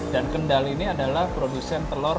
dan kendal ini adalah produsen telor